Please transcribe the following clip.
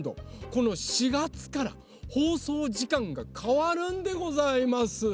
この４がつからほうそうじかんがかわるんでございます！